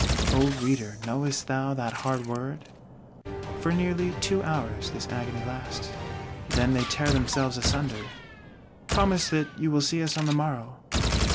O Reader, knowest thou that hard word? For nearly two hours this agony lasts; then they tear themselves asunder. "Promise that you will see us on the morrow."